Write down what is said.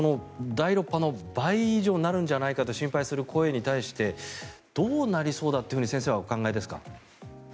第６波の倍以上になるんじゃないかと心配する声に対してどうなりそうだというふうに先生はお考えですか？